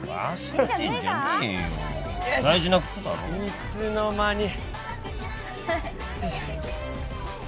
いつの間に。